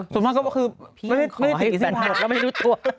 ส่วนมากก็คือพี่ขอให้แบตหมดแล้วไม่รู้ตัว